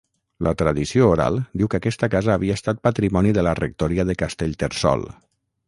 La tradició oral diu que aquesta casa havia estat patrimoni de la rectoria de Castellterçol.